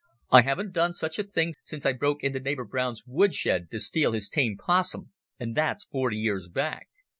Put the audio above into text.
I haven't done such a thing since I broke into neighbour Brown's woodshed to steal his tame "possum, and that's forty years back.